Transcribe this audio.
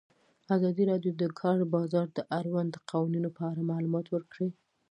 ازادي راډیو د د کار بازار د اړونده قوانینو په اړه معلومات ورکړي.